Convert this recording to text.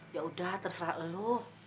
ya udah terserah lo